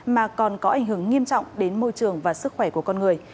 mà còn có ảnh hưởng nghiêm trọng đến môi trường và sức khỏe của con người